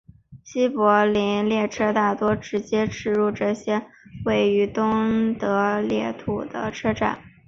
西柏林列车大多直接驶过这些位于东德领土的车站。